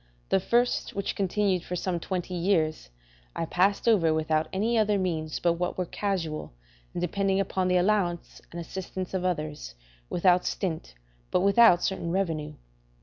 The first, which continued for some twenty years, I passed over without any other means but what were casual and depending upon the allowance and assistance of others, without stint, but without certain revenue.